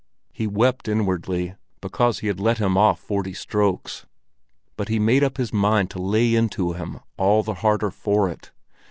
He wept inwardly because he had let him off forty strokes; but he made up his mind to lay into him all the harder for it.